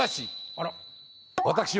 あら。